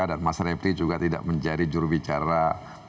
dan mas repri juga tidak menjadi jurubicara bpk